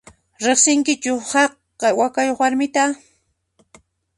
Riqsinkichu haqay wawayuq warmita?